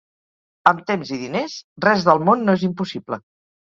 Amb temps i diners, res del món no és impossible.